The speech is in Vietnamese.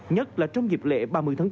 nhất là trong dịp lễ ba mươi tháng bốn